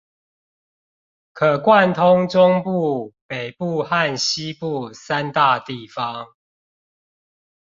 可貫通中部、北部和西部三大地方